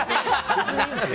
別にいいんですよ。